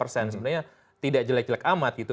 sebenarnya tidak jelek jelek amat gitu